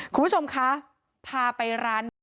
คุณผู้ชมคะพาไปร้านนี้